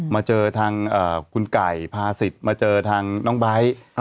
มาเจอทางคุณไก่พาสิทธิ์มาเจอทางน้องไบท์